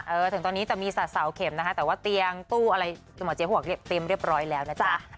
เออถึงตอนนี้จะมีเสาเข็มนะคะแต่ว่าเตียงตู้อะไรหมอเจ๊หัวเต็มเรียบร้อยแล้วนะจ๊ะ